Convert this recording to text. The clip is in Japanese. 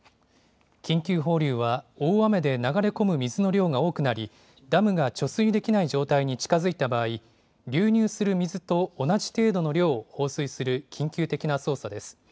緊急放流は、大雨で流れ込む水の量が多くなり、ダムが貯水できない状態に近づいた場合、流入する水と同じ程度の量を放水する緊急的な操作です。